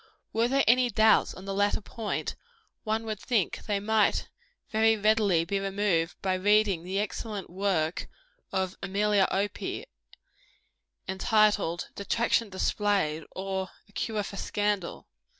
Were there any doubts on the latter point, one would think they might very readily be removed by reading the excellent work of Amelia Opie, entitled, "Detraction Displayed; or, a Cure for Scandal."